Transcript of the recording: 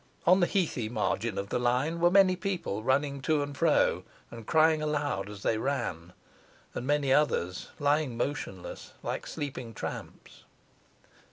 On the heathy margin of the line were many people running to and fro, and crying aloud as they ran, and many others lying motionless like sleeping tramps.